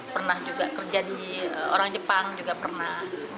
pernah juga kerja di orang jepang juga pernah